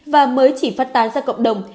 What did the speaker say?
và mới chỉ phát tàn ra cộng đồng